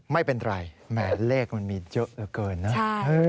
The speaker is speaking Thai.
ไม่เป็นไรแหมเลขมันมีเยอะเหลือเกินนะ